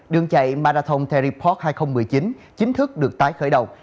đường chạy marathon terry fox hai nghìn một mươi chín chính thức được tái khởi đầu